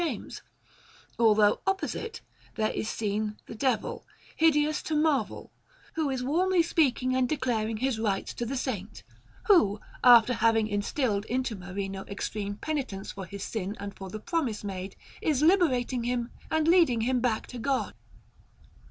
James, although opposite there is seen the Devil, hideous to a marvel, who is warmly speaking and declaring his rights to the Saint, who, after having instilled into Marino extreme penitence for his sin and for the promise made, is liberating him and leading him back to God.